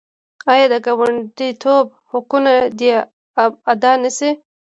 آیا د ګاونډیتوب حقونه دې ادا نشي؟